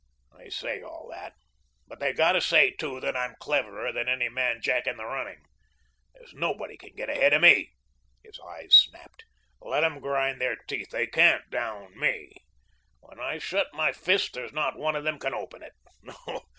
They say all that, but they've got to say, too, that I'm cleverer than any man jack in the running. There's nobody can get ahead of me." His eyes snapped. "Let 'em grind their teeth. They can't 'down' me. When I shut my fist there's not one of them can open it.